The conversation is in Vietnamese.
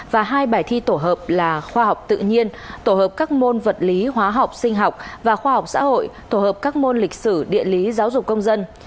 và hai bài thi tổ hợp là khoa học tự nhiên tổ hợp các môn vật lý hóa học sinh học và khoa học xã hội tổ hợp các môn lịch sử địa lý giáo dục công dân